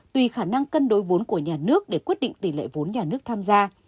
tùy khả năng cân đối vốn của nhà nước để quyết định tỷ lệ vốn nhà nước tham gia